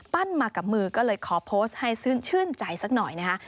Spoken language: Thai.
มากับมือก็เลยขอโพสต์ให้ชื่นใจสักหน่อยนะคะ